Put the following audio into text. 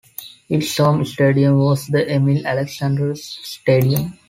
Its home stadium was the Emil Alexandrescu Stadium.